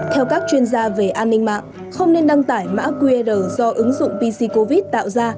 theo các chuyên gia về an ninh mạng không nên đăng tải mã qr do ứng dụng pc covid tạo ra